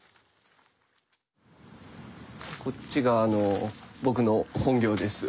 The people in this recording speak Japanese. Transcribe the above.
こっちが僕の本業です。